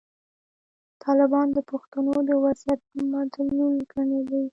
طالبان د پښتنو د وضعیت مدلول ګڼلي.